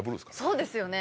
そうですよね。